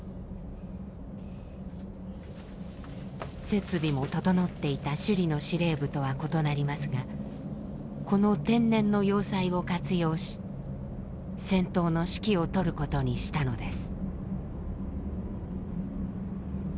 設備も整っていた首里の司令部とは異なりますがこの天然の要塞を活用し戦闘の指揮を執ることにしたのです。